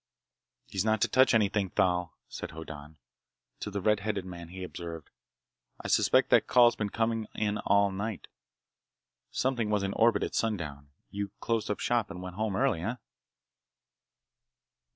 "He's not to touch anything, Thal," said Hoddan. To the red headed man he observed, "I suspect that call's been coming in all night. Something was in orbit at sundown. You closed up shop and went home early, eh?"